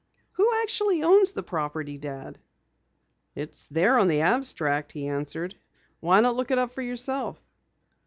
"Who actually owns the property, Dad?" "It's there on the abstract," he answered. "Why not look it up for yourself?"